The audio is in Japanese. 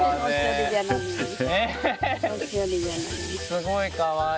すごいかわいい。